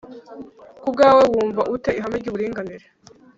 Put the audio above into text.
Ku bwawe wumva ute ihame ry’uburinganire